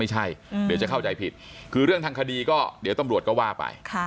เดี๋ยวจะเข้าใจผิดคือเรื่องทางคดีก็เดี๋ยวตำรวจก็ว่าไป